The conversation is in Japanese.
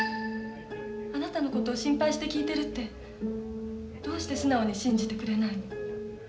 あなたのことを心配して聞いてるってどうして素直に信じてくれないの？